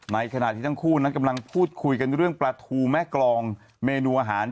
ในขณะที่ทั้งคู่นั้นกำลังพูดคุยกันเรื่องปลาทูแม่กรองเมนูอาหาร